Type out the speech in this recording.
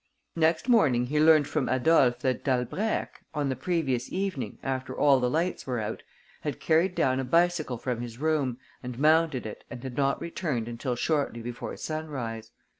Next morning he learnt from Adolphe that Dalbrèque, on the previous evening, after all the lights were out, had carried down a bicycle from his room and mounted it and had not returned until shortly before sunrise.